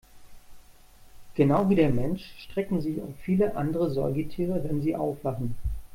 Genau wie der Mensch strecken sich auch viele andere Säugetiere, wenn sie aufwachen.